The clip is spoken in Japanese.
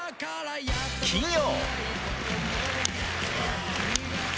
金曜。